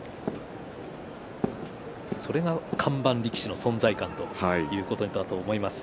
それが看板力士の存在感ということだと思います。